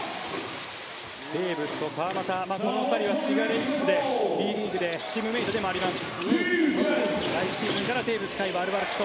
テーブスと川真田この２人は滋賀レイクスでＢリーグでチームメートでもあります。